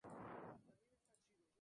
Todas usan topología de estrella.